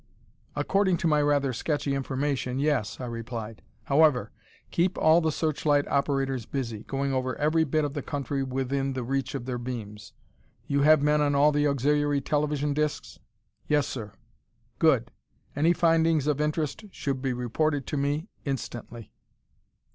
"According to my rather sketchy information, yes." I replied. "However, keep all the searchlight operators busy, going over very bit of the country within the reach of their beams. You have men on all the auxiliary television discs?" "Yes, sir." "Good. Any findings of interest should be reported to me instantly.